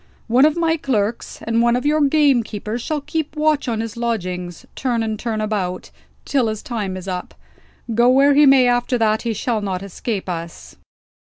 One of my clerks, and one of your gamekeepers shall keep watch on his lodgings, turn and turn about, till his time is up. Go where he may after that, he shall not escape us."